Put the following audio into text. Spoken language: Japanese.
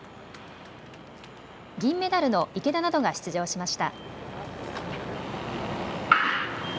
銀メダルの池田などが出場しました。